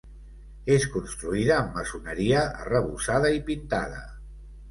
És construïda amb maçoneria, arrebossada i pintada.